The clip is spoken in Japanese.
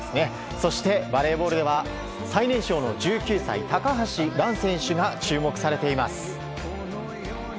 そして、バレーボールでは最年少の１９歳高橋藍選手が注目されています。